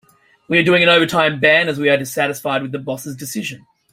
We are doing an overtime ban as we are dissatisfied with the boss' decisions.